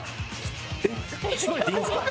えっしばいていいんですか？